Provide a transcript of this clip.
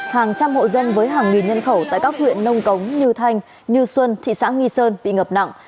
hàng trăm hộ dân với hàng nghìn nhân khẩu tại các huyện nông cống như thanh như xuân thị xã nghi sơn bị ngập nặng